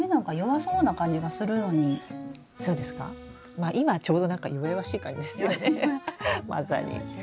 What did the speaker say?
まあ今ちょうどなんか弱々しい感じですよねまさに。